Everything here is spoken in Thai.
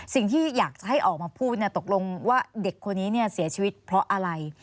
สิ่งที่อยากจะให้ออกมาพูดตกลงว่าเด็กคนนี้เสียชีวิตเพราะอะไร